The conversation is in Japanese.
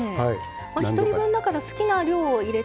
１人分だから好きな量を入れて。